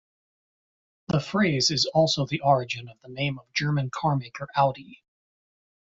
The phrase is also the origin of the name of German carmaker Audi.